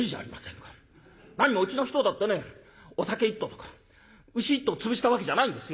何もうちの人だってねお酒一斗とか牛一頭潰したわけじゃないんですよ。